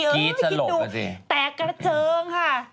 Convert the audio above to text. คิดดูแตกกระเจิงค่ะคิดดูคิดดูแตกกระเจิงค่ะ